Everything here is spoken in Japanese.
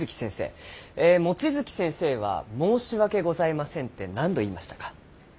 望月先生は「申し訳ございません」って何度言いましたか？